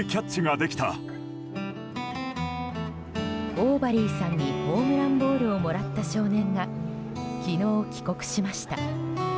オーバリーさんにホームランボールをもらった少年が昨日、帰国しました。